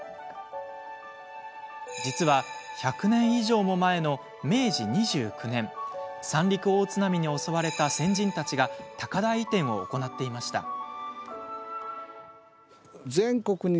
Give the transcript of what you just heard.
実は１００年以上も前の明治２９年三陸大津波に襲われた先人たちが高台移転を行っていました。